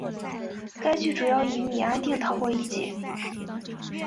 该剧主要以米安定逃过一劫。